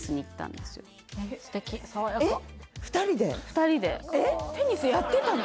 ２人でテニスやってたの？